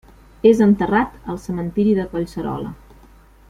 És enterrat al Cementiri de Collserola.